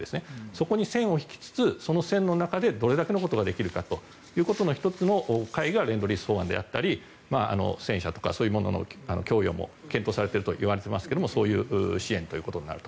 そこに線を引きつつその線の中でどれだけのことができるかということの１つの解がレンドリース法案であったり戦車とかそういうものの供与も検討されているといわれていますがそういう支援と。